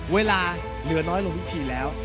เวลาเหลือน้อยลงทุกทีแล้ว